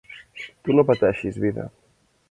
Tu no pateixis, vida.